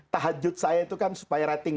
tahajud saya itu kan supaya rating